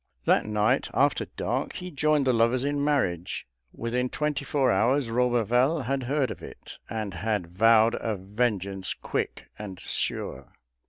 That night, after dark, he joined the lovers in marriage; within twenty four hours Roberval had heard of it, and had vowed a vengeance quick and sure.